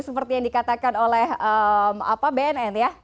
seperti yang dikatakan oleh bnn ya